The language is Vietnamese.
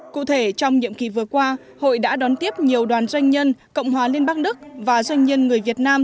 cụ thể trong nhiệm kỳ vừa qua hội đã đón tiếp nhiều đoàn doanh nhân cộng hòa liên bang đức và doanh nhân người việt nam